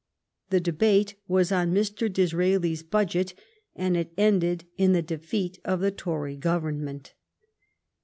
The debate was on Mr. Disraeli's budget, and it ended in the defeat of the Tory Government.